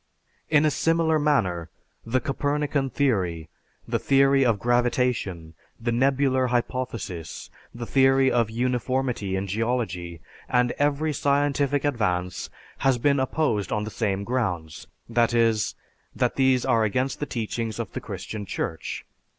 In a similar manner, the Copernican theory, the theory of gravitation, the nebular hypothesis, the theory of uniformity in geology, and every scientific advance has been opposed on the same grounds; that is, that these are against the teachings of the Christian Church.